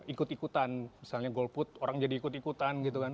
ikut ikutan misalnya golput orang jadi ikut ikutan gitu kan